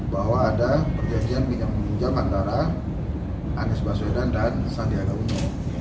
bahwa ada perjanjian pinjam pinjam antara anies baswedan dan sandiaga uno